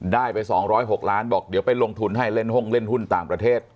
ได้ไป๒๐๖ล้านบอกเดี๋ยวไปลงทุนให้เล่นห้องเล่นหุ้นต่างประเทศ